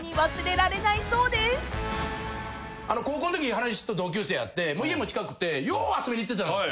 原西と同級生やって家も近くてよう遊びに行ってたんですよ。